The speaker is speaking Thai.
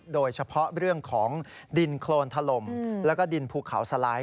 โดยเฉพาะเรื่องของดินโครนถล่มแล้วก็ดินภูเขาสไลด์